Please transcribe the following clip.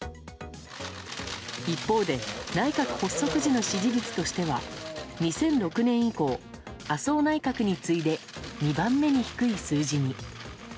一方で、内閣発足時の支持率としては２００６年以降麻生内閣に次いで２番目に低い数字に。